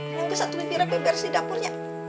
yang ke satu negeri bebersi di dapurnya